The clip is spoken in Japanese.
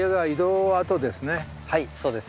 はいそうです。